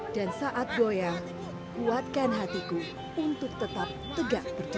dan saat goyang kuatkan hatiku untuk tetap tegak berdiri